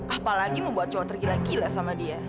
apalagi membuat cowok tergila gila sama dia